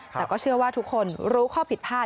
แต่ก็เชื่อว่าทุกคนรู้ข้อผิดพลาด